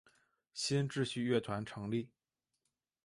新秩序乐团成立。